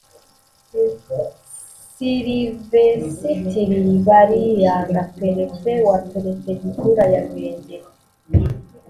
silivesitiri baliyanga, perefe wa perefegitura ya ruhengeri,